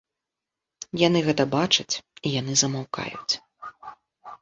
Яны гэта бачаць, і яны замаўкаюць.